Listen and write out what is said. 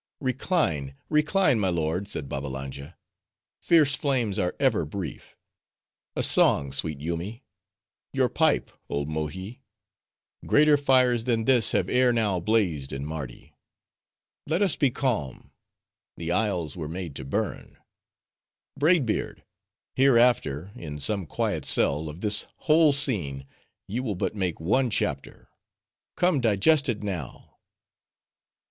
"Recline, recline, my lord," said Babbalanja. "Fierce flames are ever brief—a song, sweet Yoomy! Your pipe, old Mohi! Greater fires than this have ere now blazed in Mardi. Let us be calm;—the isles were made to burn;—Braid Beard! hereafter, in some quiet cell, of this whole scene you will but make one chapter;—come, digest it now."